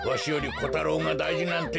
コタロウがだいじなんて。